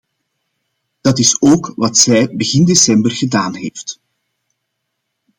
Dat is ook wat zij begin december gedaan heeft.